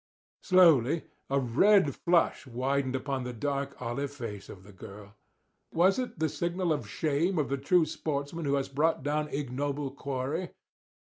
Slowly a red flush widened upon the dark olive face of the girl. Was it the signal of shame of the true sportsman who has brought down ignoble quarry?